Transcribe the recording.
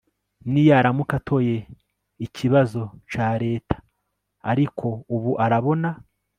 niyaramuka atoye ikibazo ca Leta…ariko ubu arabona